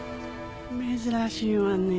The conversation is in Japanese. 珍しいわねぇ。